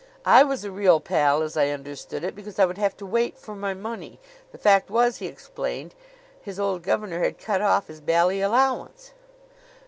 I was a real pal, as I understood it, because I would have to wait for my money. The fact was, he explained, his old governor had cut off his bally allowance."